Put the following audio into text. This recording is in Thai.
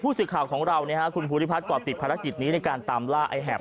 ผู้สิทธิ์ข่าวของเราเนี่ยฮะคุณภูริพัฒน์กว่าติดภารกิจนี้ในการตามล่าไอ้แหบ